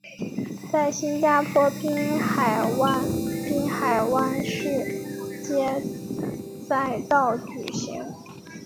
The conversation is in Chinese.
在新加坡滨海湾滨海湾市街赛道举行。